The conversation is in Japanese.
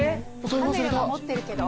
カメラは持ってるけど。